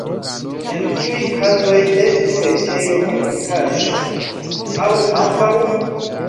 En kiuj kazoj estu retejo, aplikaĵo, aŭ ambaŭ?